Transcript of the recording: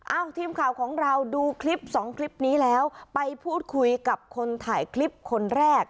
ทีมข่าวของเราดูคลิปสองคลิปนี้แล้วไปพูดคุยกับคนถ่ายคลิปคนแรก